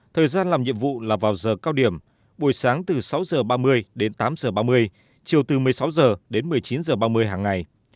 thời gian làm nhiệm vụ là vào giờ cao điểm buổi sáng từ sáu h ba mươi đến tám h ba mươi chiều từ một mươi sáu h đến một mươi chín h ba mươi hàng ngày